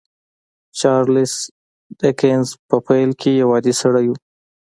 چارليس ډيکنز په پيل کې يو عادي سړی و.